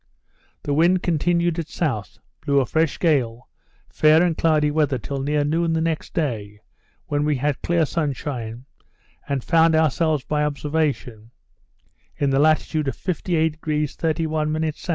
The wind continued at south, blew a fresh gale, fair and cloudy weather, till near noon the next day, when we had clear sun shine, and found ourselves, by observation, in the latitude of 58° 31' S.